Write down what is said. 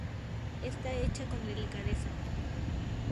Está hecha con delicadeza.